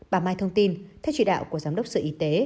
bà mai thông tin theo chỉ đạo của giám đốc sở y tế